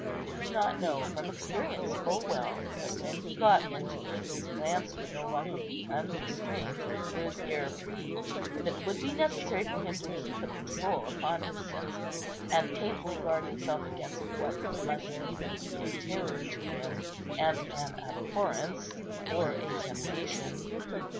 Did he not know from experience full well that, when he got into it, his glance could no longer be unrestrained, or his air free; but that it would be necessary for him to keep a control upon his senses, and painfully guard himself against what must either be a terror to him and an abhorrence, or a temptation?